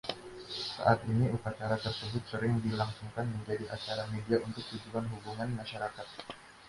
Saat ini, upacara tersebut sering dilangsungkan menjadi acara media untuk tujuan hubungan masyarakat.